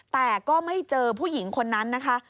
แต่ก็ไม่เจอผู้หญิงคนนั้นนะคะ